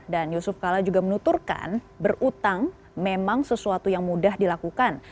dan yusuf kala juga menuturkan berutang memang sesuatu yang mudah dilakukan